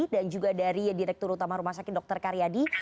dan juga dari direktur utama rumah sakit dr karyadi